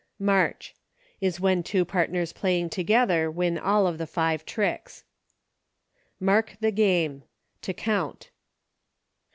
March. Is when two partners playing to gether win all of the five tricks. Mark the Game. To count.